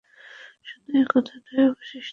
শুধু এই কাঁথাটাই অবশিষ্ট আছে এখন?